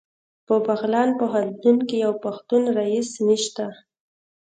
په بغلان پوهنتون کې یو پښتون رییس نشته